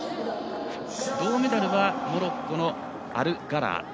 銅メダルはモロッコのアルガラア。